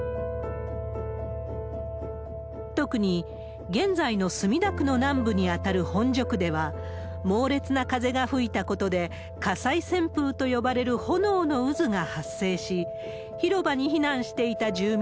特に現在の墨田区の南部に当たる本所区では、猛烈な風が吹いたことで、火災旋風と呼ばれる炎の渦が発生し、広場に避難していた住民